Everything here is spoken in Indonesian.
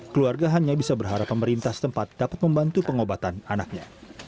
keluarga hanya bisa berharap pemerintah setempat dapat membantu pengobatan anaknya